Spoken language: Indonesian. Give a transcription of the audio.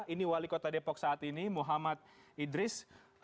ini wali kota depok saat ini muhammad idris